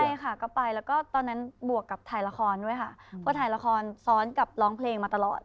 ใช่ค่ะก็ไปแล้วก็ตอนนั้นบวกกับถ่ายละครด้วยค่ะก็ถ่ายละครซ้อนกับร้องเพลงมาตลอด